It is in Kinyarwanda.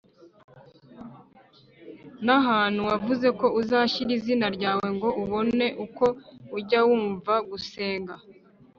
n’ahantu wavuze ko uzashyira izina ryawe, ngo ubone uko ujya wumva gusenga